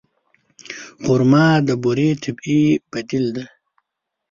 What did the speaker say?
خرما د بوري طبیعي بدیل دی.